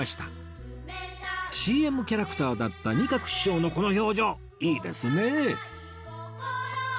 ＣＭ キャラクターだった仁鶴師匠のこの表情いいですねえ